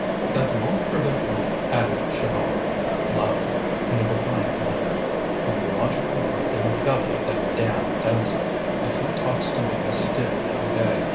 "That won't prevent me," added Chaval loudly, in a defiant manner, "from lodging a brick in the belly of that damned Dansaert, if he talks to me as he did the other day.